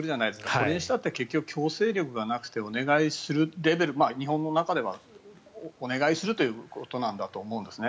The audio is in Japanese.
これにしたって結局強制力がなくてお願いするレベル日本の中ではお願いするということなんだと思うんですね。